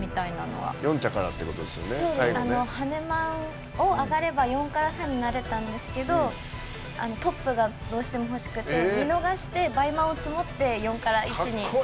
ハネマンをアガれば４から３になれたんですけどトップがどうしても欲しくて見逃してバイマンをツモって４から１にになりました。